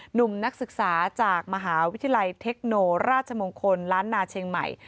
หนุ่มนักศึกษาจากมหาวิทยาลัยเทคโนราชมงคลล้านนาเชียงใหม่